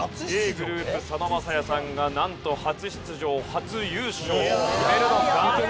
ｇｒｏｕｐ佐野晶哉さんがなんと初出場初優勝を決めるのか？